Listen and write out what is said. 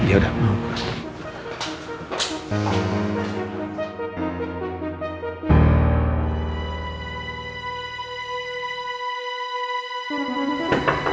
yaudah mama buka dulu